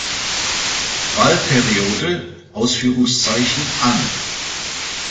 Wahlperiode" an.